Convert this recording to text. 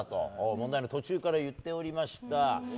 問題の途中から言っておりました。